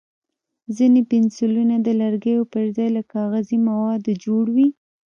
ځینې پنسلونه د لرګیو پر ځای له کاغذي موادو جوړ وي.